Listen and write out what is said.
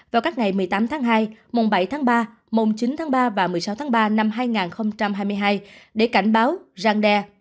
vào các ngày một mươi tám tháng hai mùng bảy tháng ba mùng chín tháng ba và một mươi sáu tháng ba năm hai nghìn hai mươi hai để cảnh báo răng đe